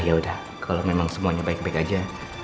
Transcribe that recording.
ya udah kalau memang semuanya baik baik aja